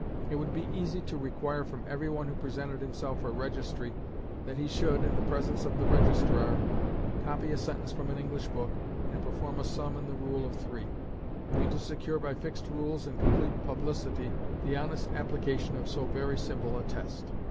It would be easy to require from every one who presented himself for registry that he should, in the presence of the registrar, copy a sentence from an English book, and perform a sum in the rule of three; and to secure, by fixed rules and complete publicity, the honest application of so very simple a test.